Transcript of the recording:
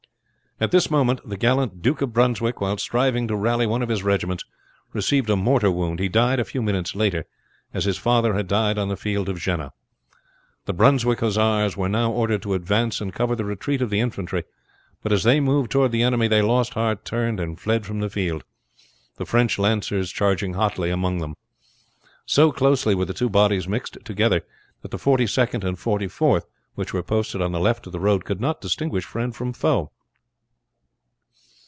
At this moment the gallant Duke of Brunswick, while striving to rally one of his regiments, received a mortar wound. He died a few minutes later, as his father had died on the field of Jena. The Brunswick hussars were now ordered to advance and cover the retreat of the infantry; but as they moved toward the enemy they lost heart, turned, and fled from the field, the French lancers charging hotly among them. So closely were the two bodies mixed together that the Forty second and Forty fourth which were posted on the left of the road, could not distinguish friend from foe.